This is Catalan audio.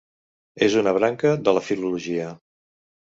És una branca de la filologia.